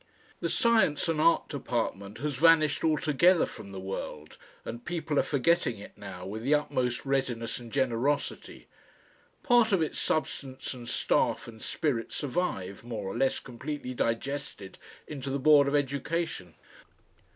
The Science and Art Department has vanished altogether from the world, and people are forgetting it now with the utmost readiness and generosity. Part of its substance and staff and spirit survive, more or less completely digested into the Board of Education.